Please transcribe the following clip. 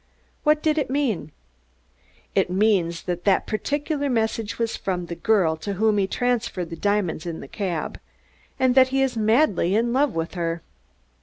What did it mean? It means that that particular message was from the girl to whom he transferred the diamonds in the cab, and that he is madly in love with her."